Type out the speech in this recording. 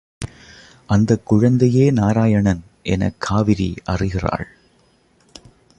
அந்தக் குழந்தையே நாராயணன் எனக் காவிரி அறிகிறாள்.